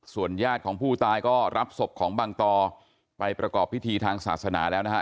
ญาติของผู้ตายก็รับศพของบังตอไปประกอบพิธีทางศาสนาแล้วนะฮะ